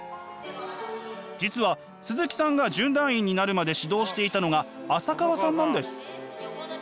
実は鈴木さんが準団員になるまで指導していたのが浅川さんなんです。